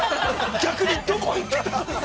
逆にどこ行ってたん？